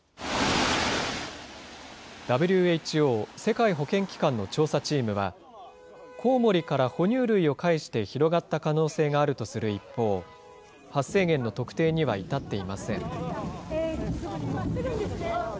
ＷＨＯ・世界保健機関の調査チームは、コウモリから哺乳類を介して広がった可能性があるとする一方、発生源の特定には至っていません。